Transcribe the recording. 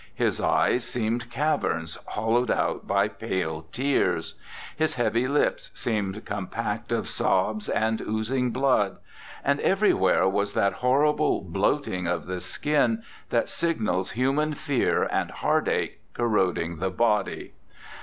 His eyes seemed caverns hollowed out by pale tears; his heavy lips seemed compact of sobs and oozing blood; and everywhere was that horrible bloating of the skin that signals human fear and heartache corroding the body.